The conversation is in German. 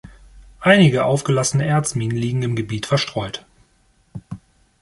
Einige aufgelassene Erz-Minen liegen im Gebiet verstreut.